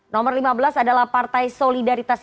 nomor lima belas adalah partai solidaritas